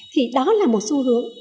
thì đó là một xu hướng